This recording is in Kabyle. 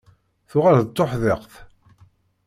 Tuɣal d tuḥdiqt.